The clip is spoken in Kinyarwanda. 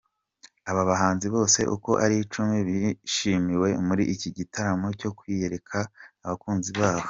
Aba bahanzi bose uko ari icumi bishimiwe muri iki gitaramo cyo kwiyereka abakunzi babo.